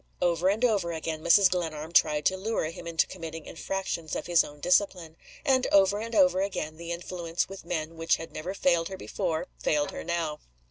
Over and over again Mrs. Glenarm tried to lure him into committing infractions of his own discipline and over and over again the influence with men which had never failed her before failed her now.